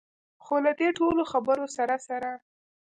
خو له دې ټولو خبرو سره سره.